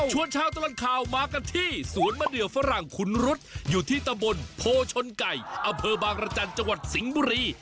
ชาวตลอดข่าวมากันที่สวนมะเดือฝรั่งขุนรุษอยู่ที่ตำบลโพชนไก่อำเภอบางรจันทร์จังหวัดสิงห์บุรี